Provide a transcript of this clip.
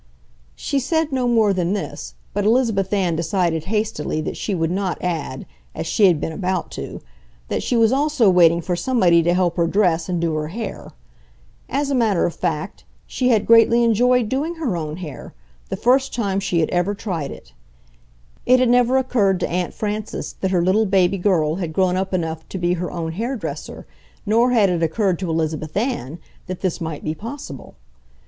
She said no more than this, but Elizabeth Ann decided hastily that she would not add, as she had been about to, that she was also waiting for somebody to help her dress and do her hair. As a matter of fact, she had greatly enjoyed doing her own hair—the first time she had ever tried it. It had never occurred to Aunt Frances that her little baby girl had grown up enough to be her own hairdresser, nor had it occurred to Elizabeth Ann that this might be possible.